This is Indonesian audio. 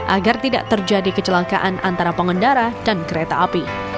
agar tidak terjadi kecelakaan antara pengendara dan kereta api